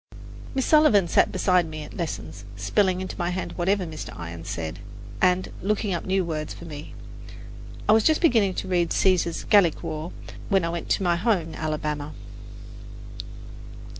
Miss Sullivan sat beside me at my lessons, spelling into my hand whatever Mr. Irons said, and looking up new words for me. I was just beginning to read Caesar's "Gallic War" when I went to my home in Alabama.